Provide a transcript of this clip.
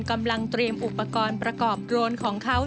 กำลังเตรียมอุปกรณ์ประกอบโดรนของเขา